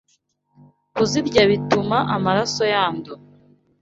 Kuzirya bituma amaraso yandura